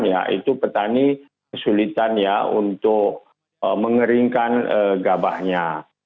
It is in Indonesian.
ya itu petani kesulitan ya untuk mengeringkan gabahnya